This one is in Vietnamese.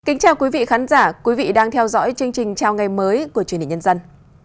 kính chào quý vị khán giả quý vị đang theo dõi chương trình chào ngày mới của truyền hình nhân dân